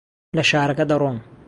لە شارەکە دەڕۆم.